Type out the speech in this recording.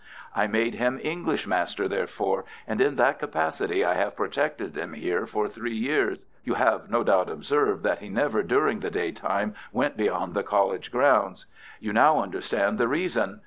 I made him English master therefore, and in that capacity I have protected him here for three years. You have no doubt observed that he never during the daytime went beyond the college grounds. You now understand the reason.